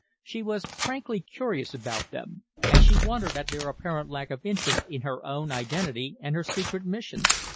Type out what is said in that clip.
She was frankly curious about them, and she wondered at their apparent lack of interest in her own identity and her secret mission.